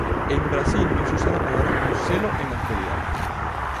En Brasil no se usa la palabra "concelho" en la actualidad.